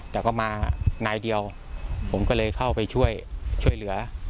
แต่ก็มานายเดียวผมก็เลยเข้าไปช่วยช่วยเหลือ